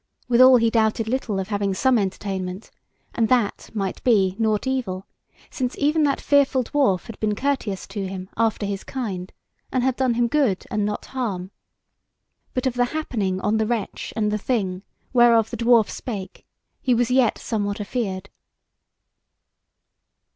Withal he doubted little of having some entertainment; and that, might be, nought evil; since even that fearful dwarf had been courteous to him after his kind, and had done him good and not harm. But of the happening on the Wretch and the Thing, whereof the dwarf spake, he was yet somewhat afeard.